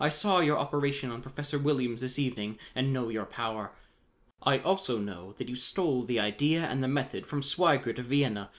I saw your operation on Professor Williams this evening and know your power. I also know that you stole the idea and the method from Sweigert of Vienna.